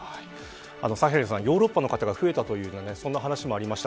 サヘルさん、ヨーロッパの方が増えたという話もありました。